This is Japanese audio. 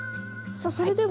さあそれでは。